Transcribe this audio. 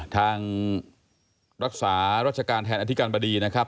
ทางรักษาราชการแทนอธิการบดีนะครับ